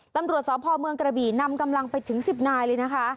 ตำรวจสพเมืองกระบี่นำกำลังไปถึง๑๐นายเลยนะคะ